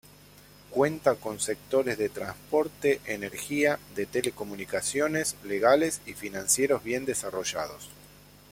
Cuenta con sectores de transporte, energía, de telecomunicaciones, legales y financieros bien desarrollados.